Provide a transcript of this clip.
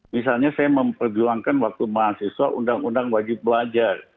misalnya saya memperjuangkan waktu mahasiswa undang undang wajib belajar